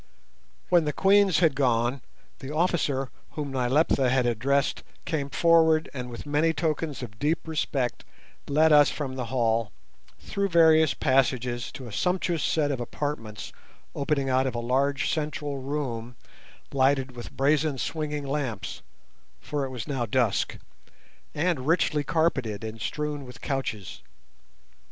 When the Queens had gone, the officer whom Nyleptha had addressed came forward and with many tokens of deep respect led us from the hall through various passages to a sumptuous set of apartments opening out of a large central room lighted with brazen swinging lamps (for it was now dusk) and richly carpeted and strewn with couches.